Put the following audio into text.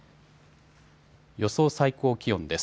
予想最高気温です。